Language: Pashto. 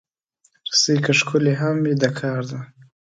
رسۍ که ښکلې هم وي، د کار ده.